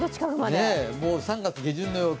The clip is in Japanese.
３月下旬の陽気。